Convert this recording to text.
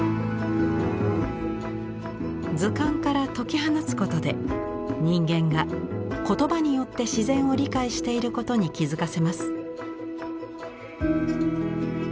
図鑑から解き放つことで人間が言葉によって自然を理解していることに気付かせます。